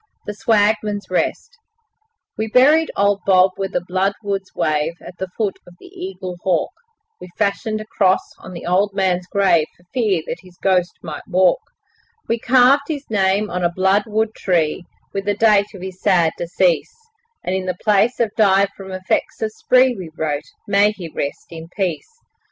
The Swagman's Rest We buried old Bob where the bloodwoods wave At the foot of the Eaglehawk; We fashioned a cross on the old man's grave, For fear that his ghost might walk; We carved his name on a bloodwood tree, With the date of his sad decease, And in place of 'Died from effects of spree', We wrote 'May he rest in peace'.